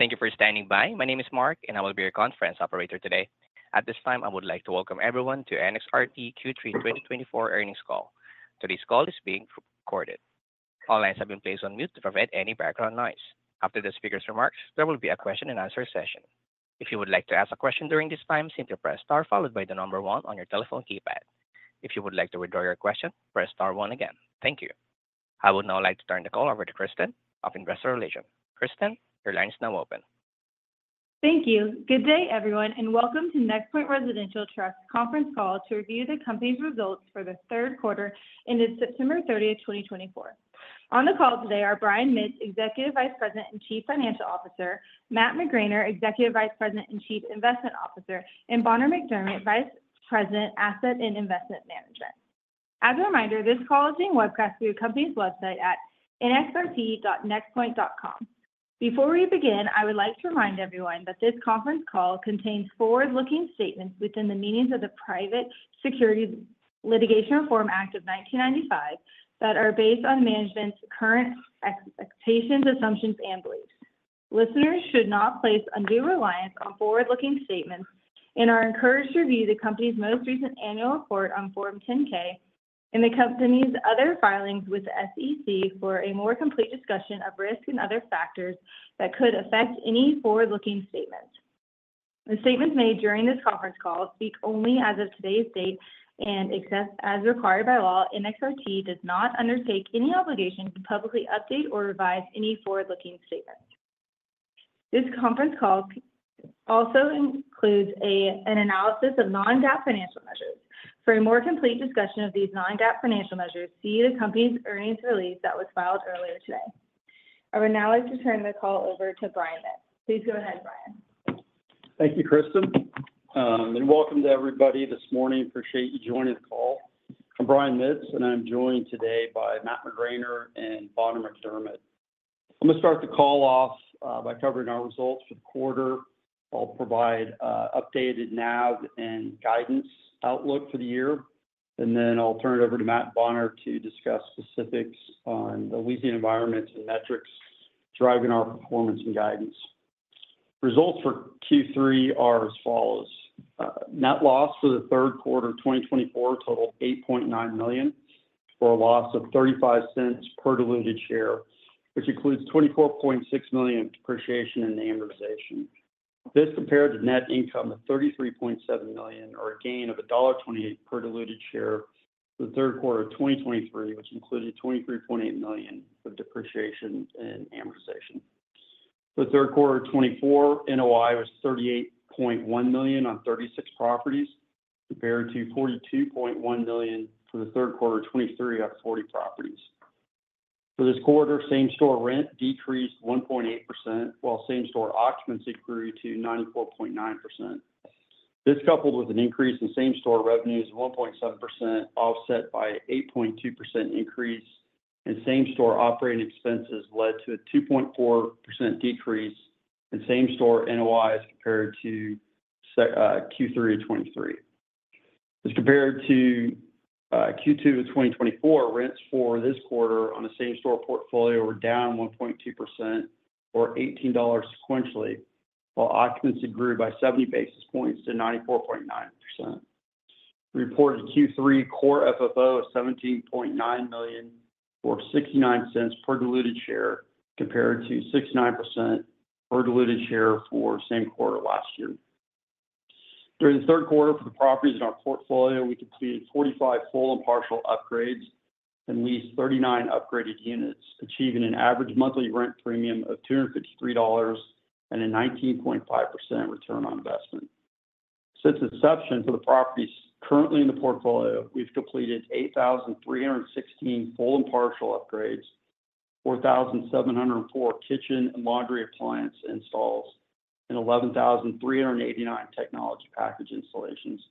Thank you for standing by. My name is Mark, and I will be your conference operator today. At this time, I would like to welcome everyone to NXRT Q3 2024 earnings call. Today's call is being recorded. All lines have been placed on mute to prevent any background noise. After the speaker's remarks, there will be a question-and-answer session. If you would like to ask a question during this time, simply press star followed by the number one on your telephone keypad. If you would like to withdraw your question, press star one again. Thank you. I would now like to turn the call over to Kristen of Investor Relations. Kristen, your line is now open. Thank you. Good day, everyone, and welcome to NexPoint Residential Trust's conference call to review the company's results for the third quarter ended September 30, 2024. On the call today are Brian Mitts, Executive Vice President and Chief Financial Officer; Matt McGraner, Executive Vice President and Chief Investment Officer; and Bonner McDermett, Vice President, Asset and Investment Management. As a reminder, this call is being webcast through the company's website at nxrt.nexpoint.com. Before we begin, I would like to remind everyone that this conference call contains forward-looking statements within the meanings of the Private Securities Litigation Reform Act of 1995 that are based on management's current expectations, assumptions, and beliefs. Listeners should not place undue reliance on forward-looking statements and are encouraged to review the company's most recent annual report on Form 10-K and the company's other filings with SEC for a more complete discussion of risk and other factors that could affect any forward-looking statements. The statements made during this conference call speak only as of today's date and, as required by law, NXRT does not undertake any obligation to publicly update or revise any forward-looking statements. This conference call also includes an analysis of non-GAAP financial measures. For a more complete discussion of these non-GAAP financial measures, see the company's earnings release that was filed earlier today. I would now like to turn the call over to Brian Mitts. Please go ahead, Brian. Thank you, Kristen, and welcome to everybody this morning. Appreciate you joining the call. I'm Brian Mitts, and I'm joined today by Matt McGraner and Bonner McDermett. I'm going to start the call off by covering our results for the quarter. I'll provide updated NAV and guidance outlook for the year, and then I'll turn it over to Matt and Bonner to discuss specifics on the leasing environments and metrics driving our performance and guidance. Results for Q3 are as follows: Net loss for the third quarter of 2024 totaled $8.9 million for a loss of $0.35 per diluted share, which includes $24.6 million of depreciation and amortization. This compared to net income of $33.7 million, or a gain of $1.28 per diluted share for the third quarter of 2023, which included $23.8 million of depreciation and amortization. For the third quarter of 2024, NOI was $38.1 million on 36 properties, compared to $42.1 million for the third quarter of 2023 on 40 properties. For this quarter, same-store rent decreased 1.8%, while same-store occupancy grew to 94.9%. This, coupled with an increase in same-store revenues of 1.7%, offset by an 8.2% increase, and same-store operating expenses led to a 2.4% decrease in same-store NOIs compared to Q3 of 2023. As compared to Q2 of 2024, rents for this quarter on a same-store portfolio were down 1.2%, or $18 sequentially, while occupancy grew by 70 basis points to 94.9%. Reported Q3 core FFO was $17.9 million, or $0.69 per diluted share, compared to $0.69 per diluted share for the same quarter last year. During the third quarter, for the properties in our portfolio, we completed 45 full and partial upgrades and leased 39 upgraded units, achieving an average monthly rent premium of $253 and a 19.5% return on investment. Since inception for the properties currently in the portfolio, we've completed 8,316 full and partial upgrades, 4,704 kitchen and laundry appliance installs, and 11,389 technology package installations,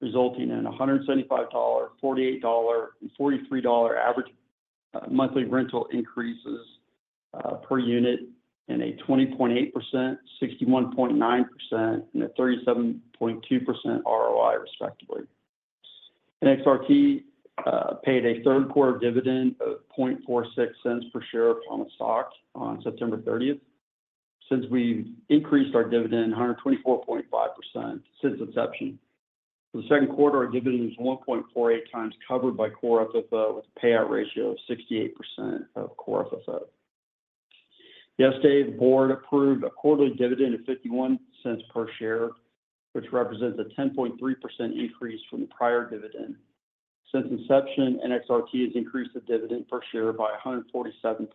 resulting in $175, $48, and $43 average monthly rental increases per unit and a 20.8%, 61.9%, and a 37.2% ROI, respectively. NXRT paid a third-quarter dividend of $0.46 per share upon the stock on September 30. Since we've increased our dividend 124.5% since inception. For the second quarter, our dividend was 1.48 times covered by core FFO, with a payout ratio of 68% of core FFO. Yesterday, the board approved a quarterly dividend of $0.51 per share, which represents a 10.3% increase from the prior dividend. Since inception, NXRT has increased the dividend per share by 147.6%.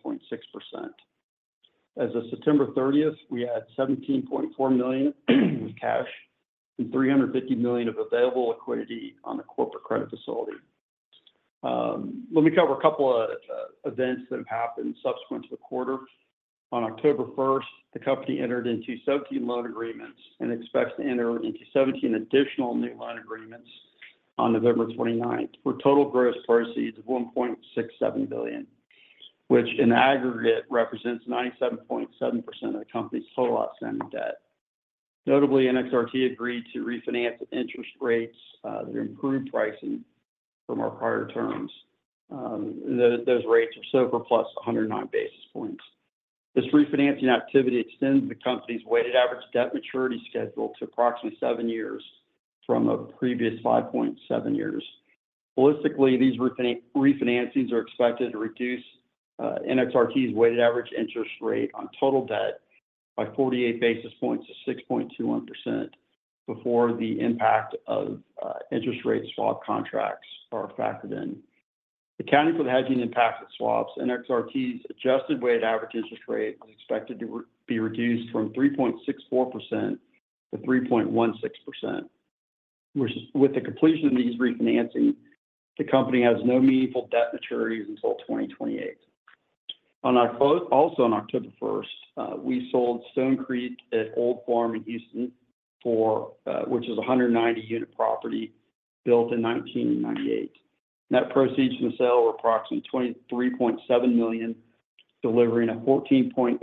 As of September 30, we had $17.4 million of cash and $350 million of available liquidity on the corporate credit facility. Let me cover a couple of events that have happened subsequent to the quarter. On October 1, the company entered into separate loan agreements and expects to enter into 17 additional new loan agreements on November 29 for total gross proceeds of $1.67 billion, which in aggregate represents 97.7% of the company's total outstanding debt. Notably, NXRT agreed to refinance at interest rates that improve pricing from our prior terms. Those rates are SOFR plus 109 basis points. This refinancing activity extends the company's weighted average debt maturity schedule to approximately seven years from a previous 5.7 years. Holistically, these refinances are expected to reduce NXRT's weighted average interest rate on total debt by 48 basis points to 6.21% before the impact of interest rate swap contracts are factored in. Accounting for the hedging impact of swaps, NXRT's adjusted weighted average interest rate is expected to be reduced from 3.64% to 3.16%. With the completion of these refinancing, the company has no meaningful debt maturities until 2028. Also on October 1, we sold Stone Creek at Old Farm in Houston, which is a 190-unit property built in 1998. Net proceeds from the sale were approximately $23.7 million, delivering a 14.8%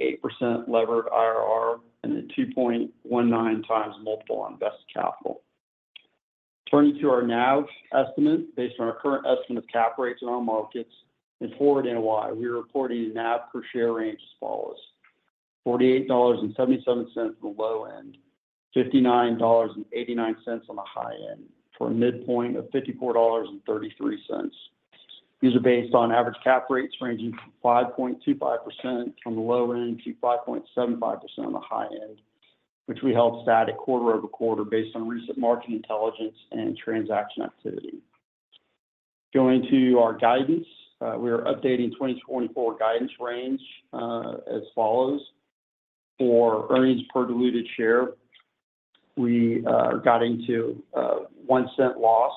levered IRR and a 2.19 times multiple on invested capital. Turning to our NAV estimate, based on our current estimate of cap rates in our markets and forward NOI, we're reporting NAV per share range as follows: $48.77 from the low end, $59.89 on the high end, for a midpoint of $54.33. These are based on average cap rates ranging from 5.25% from the low end to 5.75% on the high end, which we held static quarter over quarter based on recent market intelligence and transaction activity. Going to our guidance, we are updating 2024 guidance range as follows. For earnings per diluted share, we are guiding to $0.01 loss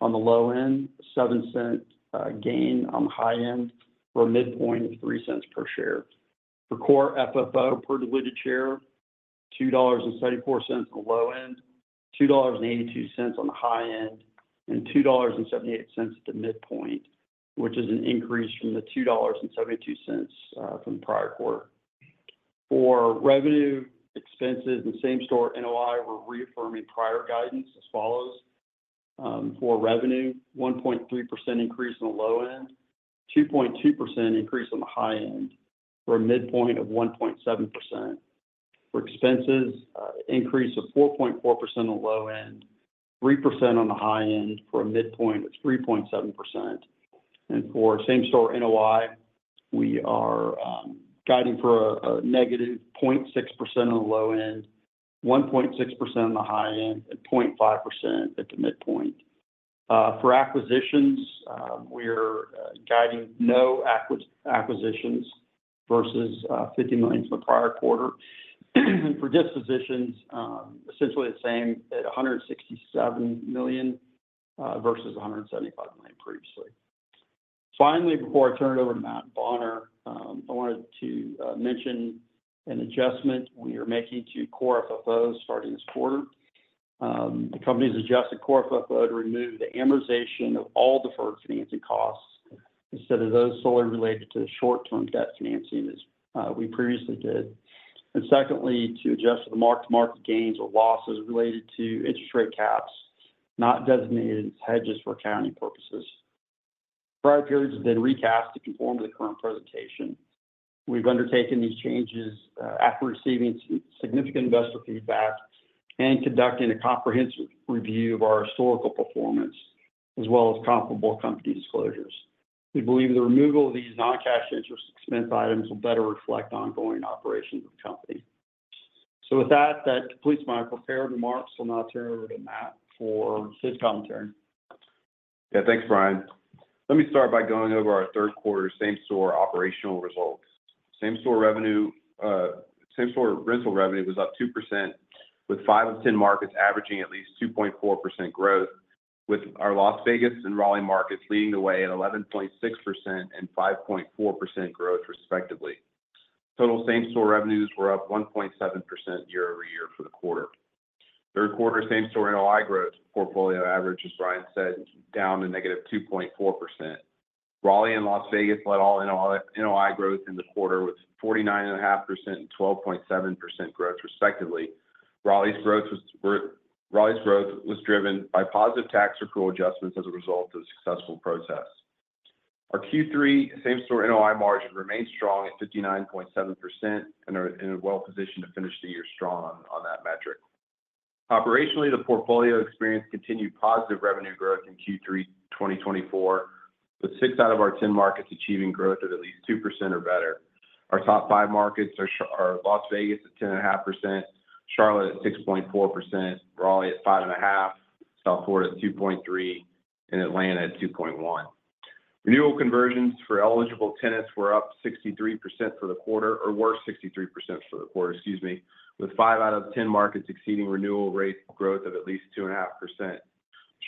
on the low end, $0.07 gain on the high end, for a midpoint of $0.03 per share. For core FFO per diluted share, $2.74 on the low end, $2.82 on the high end, and $2.78 at the midpoint, which is an increase from the $2.72 from the prior quarter. For revenue, expenses, and same-store NOI, we're reaffirming prior guidance as follows. For revenue, 1.3% increase on the low end, 2.2% increase on the high end, for a midpoint of 1.7%. For expenses, increase of 4.4% on the low end, 3% on the high end, for a midpoint of 3.7%. And for same-store NOI, we are guiding for a negative 0.6% on the low end, 1.6% on the high end, and 0.5% at the midpoint. For acquisitions, we are guiding no acquisitions versus $50 million from the prior quarter. For dispositions, essentially the same at $167 million versus $175 million previously. Finally, before I turn it over to Matt and Bonner, I wanted to mention an adjustment we are making to Core FFO starting this quarter. The company has adjusted Core FFO to remove the amortization of all deferred financing costs instead of those solely related to the short-term debt financing as we previously did, and secondly, to adjust for the mark-to-market gains or losses related to interest rate caps not designated as hedges for accounting purposes. Prior periods have been recast to conform to the current presentation. We've undertaken these changes after receiving significant investor feedback and conducting a comprehensive review of our historical performance, as well as comparable company disclosures. We believe the removal of these non-cash interest expense items will better reflect ongoing operations of the company, so with that, that completes my prepared remarks. I'll now turn it over to Matt for his commentary. Yeah, thanks, Brian. Let me start by going over our third quarter same-store operational results. Same-store rental revenue was up 2%, with 5 of 10 markets averaging at least 2.4% growth, with our Las Vegas and Raleigh markets leading the way at 11.6% and 5.4% growth, respectively. Total same-store revenues were up 1.7% year-over-year for the quarter. Third quarter same-store NOI growth portfolio average, as Brian said, down to negative 2.4%. Raleigh and Las Vegas led all NOI growth in the quarter with 49.5% and 12.7% growth, respectively. Raleigh's growth was driven by positive tax accrual adjustments as a result of successful protests. Our Q3 same-store NOI margin remained strong at 59.7% and are well-positioned to finish the year strong on that metric. Operationally, the portfolio experienced continued positive revenue growth in Q3 2024, with 6 out of our 10 markets achieving growth of at least 2% or better. Our top five markets are Las Vegas at 10.5%, Charlotte at 6.4%, Raleigh at 5.5%, South Florida at 2.3%, and Atlanta at 2.1%. Renewal conversions for eligible tenants were up 63% for the quarter, or worse, 63% for the quarter, excuse me, with five out of 10 markets exceeding renewal rate growth of at least 2.5%.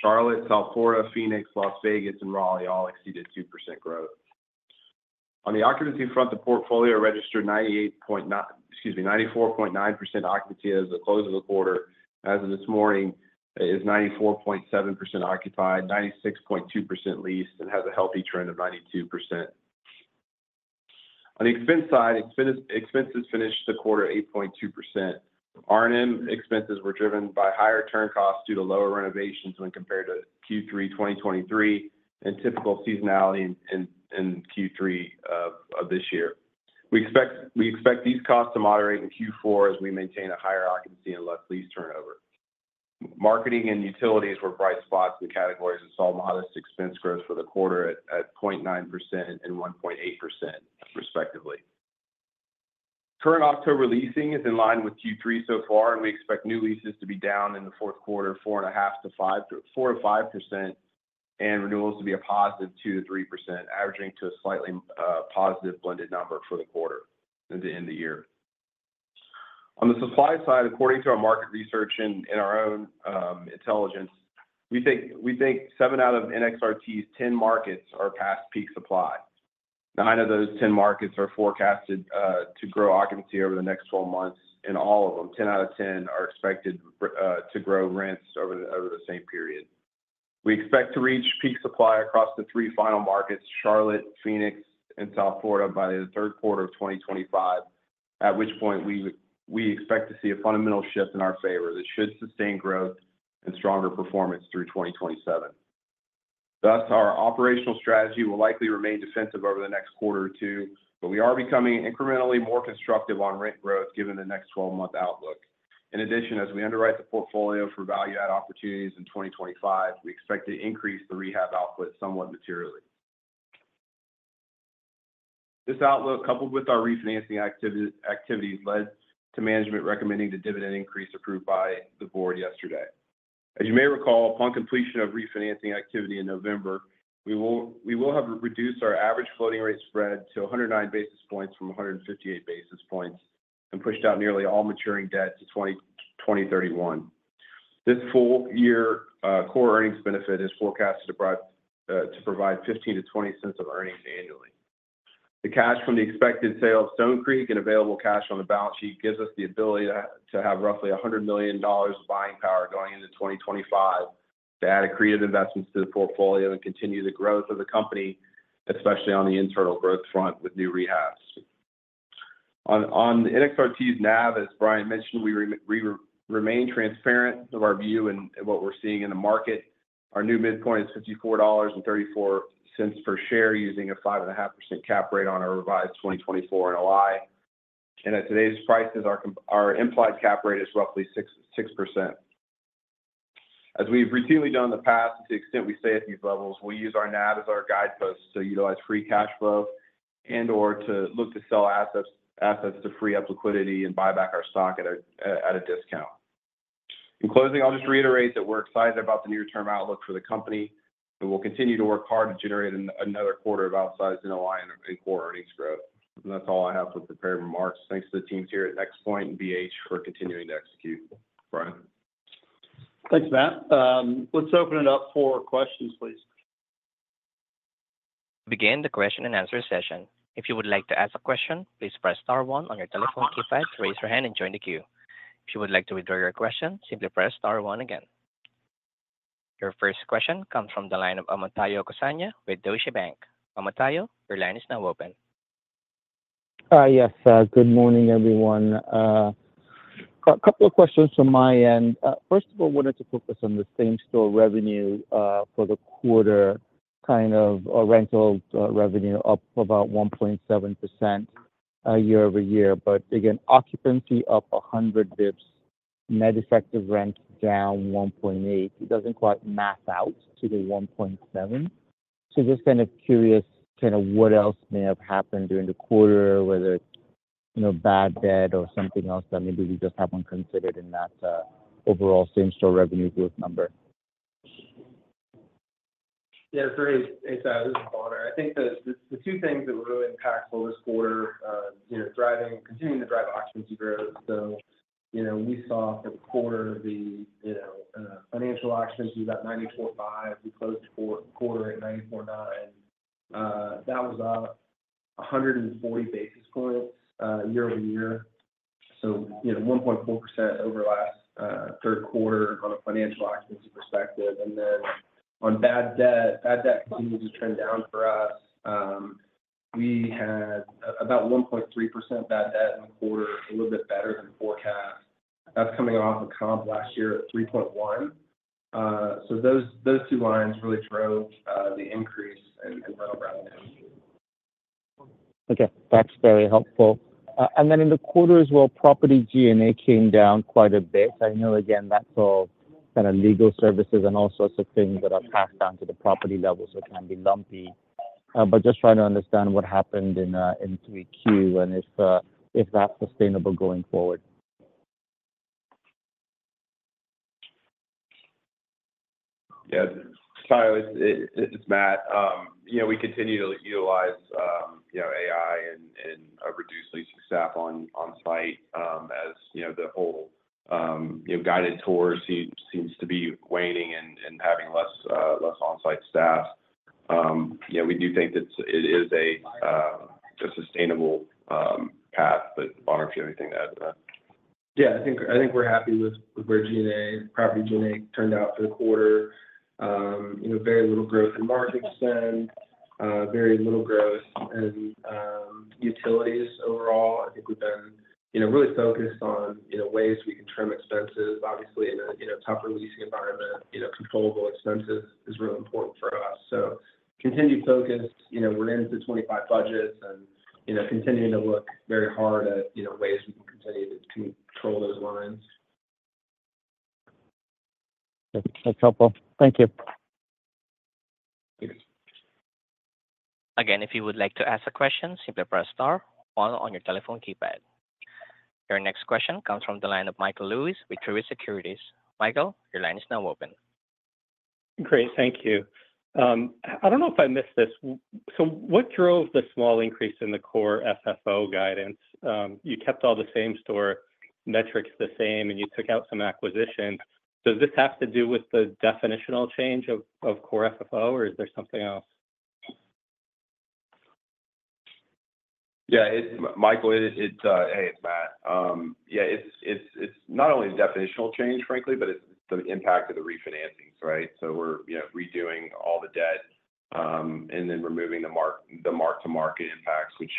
Charlotte, South Florida, Phoenix, Las Vegas, and Raleigh all exceeded 2% growth. On the occupancy front, the portfolio registered 94.9% occupancy as of the close of the quarter. As of this morning, it is 94.7% occupied, 96.2% leased, and has a healthy trend of 92%. On the expense side, expenses finished the quarter at 8.2%. R&M expenses were driven by higher turn costs due to lower renovations when compared to Q3 2023 and typical seasonality in Q3 of this year. We expect these costs to moderate in Q4 as we maintain a higher occupancy and less lease turnover. Marketing and utilities were bright spots in the categories and saw modest expense growth for the quarter at 0.9% and 1.8%, respectively. Current October leasing is in line with Q3 so far, and we expect new leases to be down in the fourth quarter 4.5%-5% and renewals to be a positive 2%-3%, averaging to a slightly positive blended number for the quarter at the end of the year. On the supply side, according to our market research and our own intelligence, we think seven out of NXRT's 10 markets are past peak supply. nine of those 10 markets are forecasted to grow occupancy over the next 12 months, and all of them, 10 out of 10, are expected to grow rents over the same period. We expect to reach peak supply across the three final markets, Charlotte, Phoenix, and South Florida, by the third quarter of 2025, at which point we expect to see a fundamental shift in our favor that should sustain growth and stronger performance through 2027. Thus, our operational strategy will likely remain defensive over the next quarter or two, but we are becoming incrementally more constructive on rent growth given the next 12-month outlook. In addition, as we underwrite the portfolio for value-add opportunities in 2025, we expect to increase the rehab output somewhat materially. This outlook, coupled with our refinancing activities, led to management recommending the dividend increase approved by the board yesterday. As you may recall, upon completion of refinancing activity in November, we will have reduced our average floating rate spread to 109 basis points from 158 basis points and pushed out nearly all maturing debt to 2031. This full-year core earnings benefit is forecast to provide $0.15-$0.20 of earnings annually. The cash from the expected sale of Stone Creek and available cash on the balance sheet gives us the ability to have roughly $100 million of buying power going into 2025 to add accretive investments to the portfolio and continue the growth of the company, especially on the internal growth front with new rehabs. On NXRT's NAV, as Brian mentioned, we remain transparent of our view and what we're seeing in the market. Our new midpoint is $54.34 per share using a 5.5% cap rate on our revised 2024 NOI, and at today's prices, our implied cap rate is roughly 6%. As we've routinely done in the past, to the extent we stay at these levels, we'll use our NAV as our guidepost to utilize free cash flow and/or to look to sell assets to free up liquidity and buy back our stock at a discount. In closing, I'll just reiterate that we're excited about the near-term outlook for the company, but we'll continue to work hard to generate another quarter of outsized NOI and core earnings growth. And that's all I have for prepared remarks. Thanks to the teams here at NexPoint and BH for continuing to execute. Brian. Thanks, Matt. Let's open it up for questions, please. Begin the question and answer session. If you would like to ask a question, please press star one on your telephone keypad to raise your hand and join the queue. If you would like to withdraw your question, simply press star one again. Your first question comes from the line of Omotayo Okusanya with Deutsche Bank. Omotayo, your line is now open. Yes, good morning, everyone. A couple of questions from my end. First of all, I wanted to focus on the same-store revenue for the quarter, kind of rental revenue up about 1.7% year-over-year. But again, occupancy up 100 basis points, net effective rent down 1.8%. It doesn't quite map out to the 1.7%. So just kind of curious kind of what else may have happened during the quarter, whether it's bad debt or something else that maybe we just haven't considered in that overall same-store revenue growth number. Yeah, great. Hey, this is Bonner. I think the two things that were really impactful this quarter, continuing to drive occupancy growth. So we saw for the quarter the financial occupancy was at 94.5%. We closed the quarter at 94.9%. That was up 140 basis points year-over-year. So 1.4% over the last third quarter on a financial occupancy perspective. And then on bad debt, bad debt continues to trend down for us. We had about 1.3% bad debt in the quarter, a little bit better than forecast. That's coming off a comp last year at 3.1%. So those two lines really drove the increase in rental revenue. Okay, that's very helpful. And then in the quarter as well, property G&A came down quite a bit. I know, again, that's all kind of legal services and all sorts of things that are passed down to the property level, so it can be lumpy. But just trying to understand what happened in Q3 and if that's sustainable going forward. Yeah, it's Matt. We continue to utilize AI and reduce leasing staff on-site as the whole guided tour seems to be waning and having less on-site staff. We do think that it is a sustainable path, but Bonner, if you have anything to add to that. Yeah, I think we're happy with where G&A, property G&A turned out for the quarter. Very little growth in margin spend, very little growth in utilities overall. I think we've been really focused on ways we can trim expenses, obviously, in a tougher leasing environment. Controllable expenses is really important for us. So continued focus. We're into 2025 budgets and continuing to look very hard at ways we can continue to control those lines. Thank you. Again, if you would like to ask a question, simply press star one on your telephone keypad. Your next question comes from the line of Michael Lewis with Truist Securities. Michael, your line is now open. Great, thank you. I don't know if I missed this. So what drove the small increase in the core FFO guidance? You kept all the same-store metrics the same, and you took out some acquisitions. Does this have to do with the definitional change of core FFO, or is there something else? Yeah, Michael, hey, it's Matt. Yeah, it's not only the definitional change, frankly, but it's the impact of the refinancings, right? So we're redoing all the debt and then removing the mark-to-market impacts, which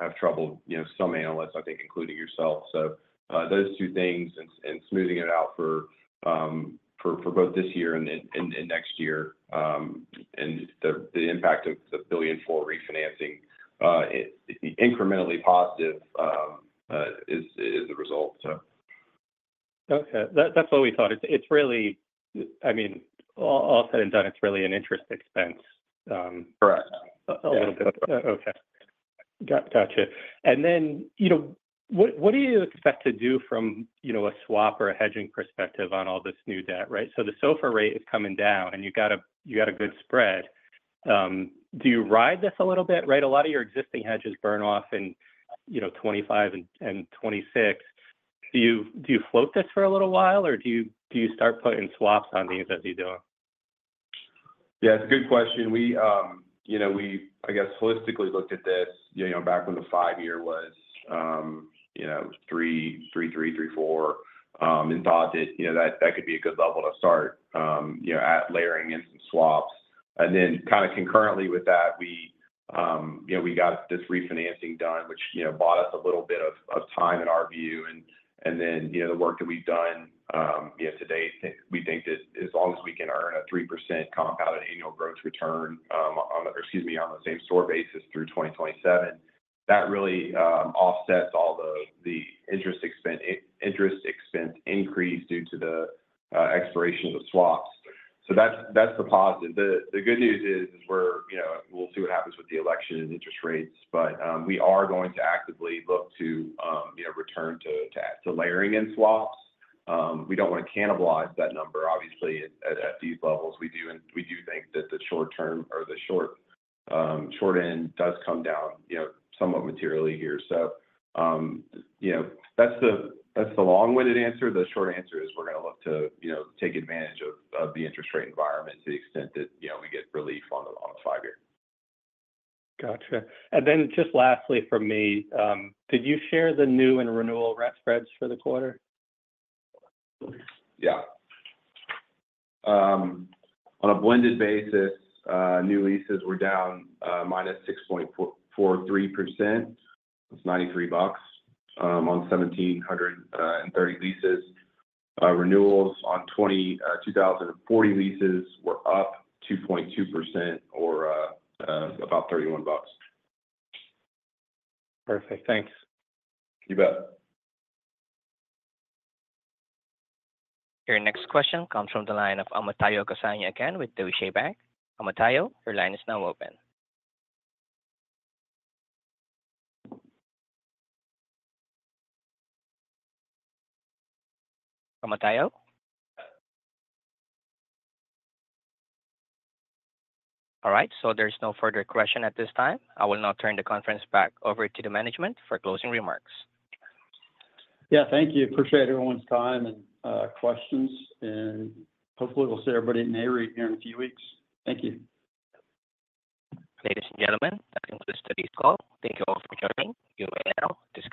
have troubled some analysts, I think, including yourself. So those two things and smoothing it out for both this year and next year. And the impact of the $1.4 billion refinancing, incrementally positive, is the result, so. Okay. That's what we thought. I mean, all said and done, it's really an interest expense. Correct. A little bit. Okay. Gotcha. And then what do you expect to do from a swap or a hedging perspective on all this new debt, right? So the SOFR rate is coming down, and you got a good spread. Do you ride this a little bit, right? A lot of your existing hedges burn off in 2025 and 2026. Do you float this for a little while, or do you start putting swaps on these as you go? Yeah, it's a good question. We, I guess, holistically looked at this back when the five-year was 3.3%-3.4%, and thought that that could be a good level to start at layering in some swaps. And then kind of concurrently with that, we got this refinancing done, which bought us a little bit of time in our view. And then the work that we've done to date, we think that as long as we can earn a 3% compounded annual growth return on the same-store basis through 2027, that really offsets all the interest expense increase due to the expiration of the swaps. So that's the positive. The good news is we'll see what happens with the election and interest rates, but we are going to actively look to return to layering in swaps. We don't want to cannibalize that number, obviously, at these levels. We do think that the short-term or the short end does come down somewhat materially here. So that's the long-winded answer. The short answer is we're going to look to take advantage of the interest rate environment to the extent that we get relief on the five-year. Gotcha. And then just lastly from me, could you share the new and renewal rent spreads for the quarter? Yeah. On a blended basis, new leases were down minus 6.43%. That's $93 on 1,730 leases. Renewals on 2,040 leases were up 2.2% or about $31. Perfect. Thanks. You bet. Your next question comes from the line of Omotayo Okusanya again with Deutsche Bank. Omotayo, your line is now open. Omotayo? All right. So there's no further question at this time. I will now turn the conference back over to the management for closing remarks. Yeah, thank you. Appreciate everyone's time and questions. And hopefully, we'll see everybody in Nareit here in a few weeks. Thank you. Ladies and gentlemen, that concludes today's call. Thank you all for joining. You may now disconnect.